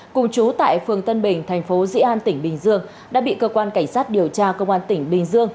cùng chú tại phường tân bình tp diện an tỉnh bình dương đã bị cơ quan cảnh sát điều tra cơ quan tỉnh bình dương